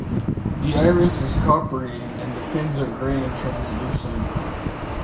The iris is coppery and the fins are grey and translucent.